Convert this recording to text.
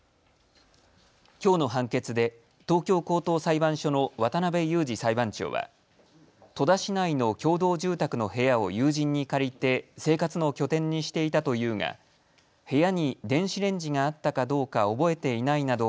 きょうの判決で東京高等裁判所の渡部勇次裁判長は戸田市内の共同住宅の部屋を友人に借りて生活の拠点にしていたというが部屋に電子レンジがあったかどうか覚えていないなど